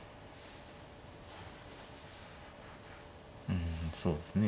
うんそうですね